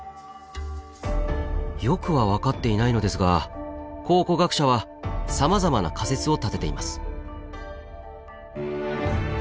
よくは分かっていないのですが考古学者はさまざまな仮説を立てています。